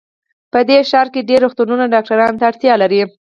په دې ښار کې ډېر روغتونونه ډاکټرانو ته اړتیا لري